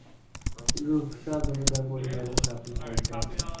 তিনি রূপসা জমিদার পরিবারের সাথে শায়িত আছেন।